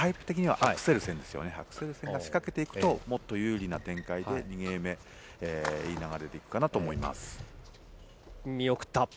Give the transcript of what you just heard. アクセルセンが仕掛けていくと、もっと有利な展開で２ゲーム目、いい流れでいく見送った。